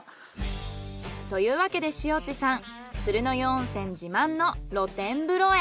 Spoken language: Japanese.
というわけで塩地さん鶴の湯温泉自慢の露天風呂へ。